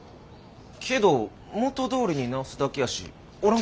けど元どおりに直すだけやしおら